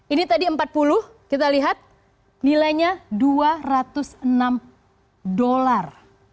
ini tadi empat puluh kita lihat nilainya dua ratus enam dolar